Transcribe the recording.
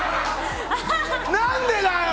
何でだよ！